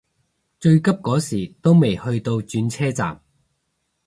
最急嗰時都未去到轉車站